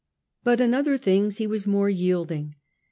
But in other things he was more yielding.